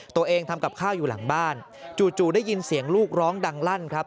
ตัวเองทำกับข้าวอยู่หลังบ้านจู่ได้ยินเสียงลูกร้องดังลั่นครับ